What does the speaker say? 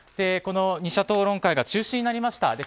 この２者討論会が中止になりました。